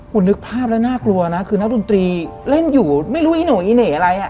คุณนึกภาพแล้วน่ากลัวนะคือนักดนตรีเล่นอยู่ไม่รู้อีโน่อีเหน่อะไรอ่ะ